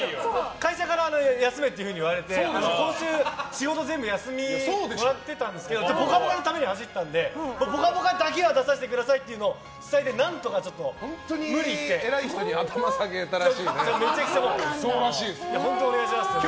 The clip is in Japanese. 会社から休めっていうふうに言われて今週、仕事全部休みもらってたんですけど「ぽかぽか」のために走ったので「ぽかぽか」だけは出させてくださいっていうのを伝えて本当に偉い人に本当お願いしますって。